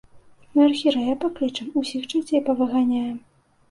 Мы архірэя паклічам, усіх чарцей павыганяем.